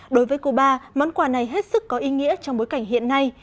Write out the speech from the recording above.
đối với cuba món quà này hết sức có ý nghĩa trong bối cảnh hiện nay